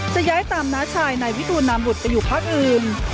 จะย้ายตามน้าชายนายวิทูลนามบุตรไปอยู่พักอื่น